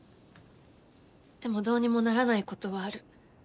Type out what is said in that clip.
でもどうにもならないことはある。